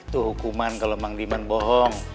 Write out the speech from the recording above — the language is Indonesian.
itu hukuman kalau mandiman bohong